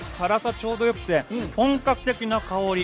ちょうどよくて本格的な香り。